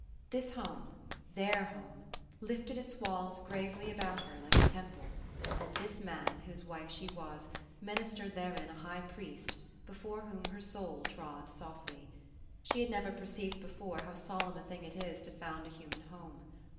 This home their home lifted its walls gravely about her like a temple ; and this man whose wife she was, ministered therein a high priest, before whom her soul trod softly. She had never perceived before how solemn a thing it is to found a human home.